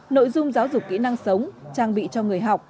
nội dung giáo dục kỹ năng sống trang bị cho người học